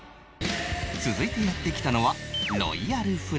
続いてやって来たのは